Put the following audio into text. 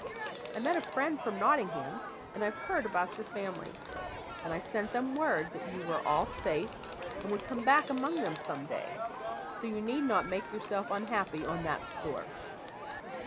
I met a friend from Nottingham, and I've heard about your family; and I sent them word that you were all safe, and would come back among them some day, so you need not make yourself unhappy on that score."